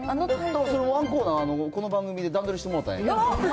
ワンコーナー、この番組で段取りしてもうたらええねん。